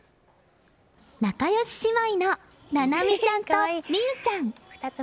仲良し姉妹の菜々実ちゃんと実結ちゃん。